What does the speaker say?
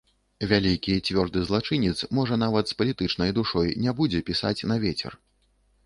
Вялікі і цвёрды злачынец, можа нават з палітычнай душой, не будзе пісаць на вецер.